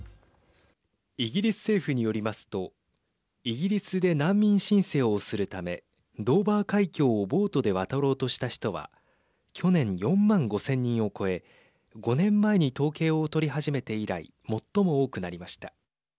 イギリス政府によりますとイギリスで難民申請をするためドーバー海峡をボートで渡ろうとした人は去年４万５０００人を超え５年前に統計を取り始めて以来最も多くなりました。